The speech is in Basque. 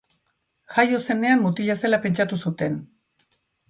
Jaio zenean mutila zela pentsatu zuten.